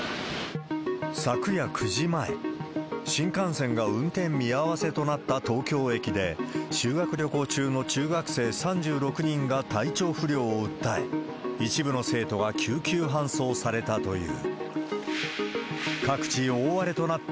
昨夜９時前、新幹線が運転見合わせとなった東京駅で、修学旅行中の中学生３６人が体調不良を訴え、一部の生徒が救急搬送されたという。